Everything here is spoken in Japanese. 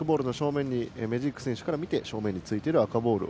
メジーク選手から見て正面についている赤ボールを。